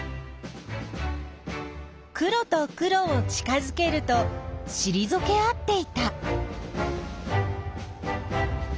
黒と黒を近づけるとしりぞけ合っていた。